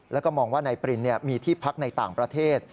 แล้วก็มองว่าในปริศน์เนี่ยมีที่พักในต่างประเทศ